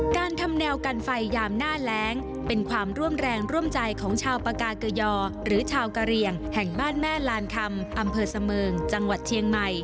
การทำแนวกันไฟยามหน้าแรงเป็นความร่วมแรงร่วมใจของชาวปากาเกยอหรือชาวกะเรียงแห่งบ้านแม่ลานคำอำเภอเสมิงจังหวัดเชียงใหม่